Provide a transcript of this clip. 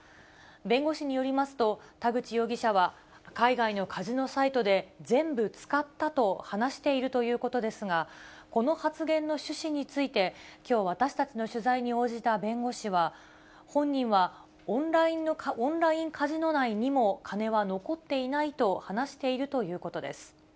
弁護士によりますと、田口容疑者は海外のカジノサイトで、全部使ったと話しているということですが、この発言の趣旨について、きょう、私たちの取材に応じた弁護士は、本人はオンラインカジノ内にも金は残っていないと話しているということです。